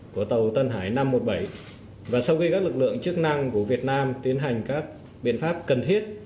của tàu tân hải năm trăm một mươi bảy và sau khi các lực lượng chức năng của việt nam tiến hành các biện pháp cần thiết